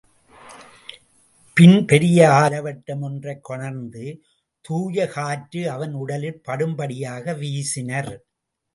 பின் பெரிய ஆலவட்டம் ஒன்றைக் கொணர்ந்து தூயகாற்று அவன் உடலிற் படும்படியாக வீசினர்.